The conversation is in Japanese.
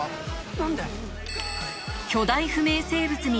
何で？